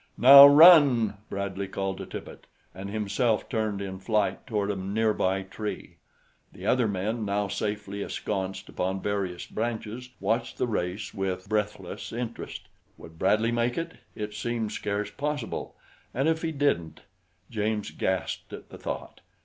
"Now run!" Bradley called to Tippet and himself turned in flight toward a nearby tree. The other men, now safely ensconced upon various branches, watched the race with breathless interest. Would Bradley make it? It seemed scarce possible. And if he didn't! James gasped at the thought.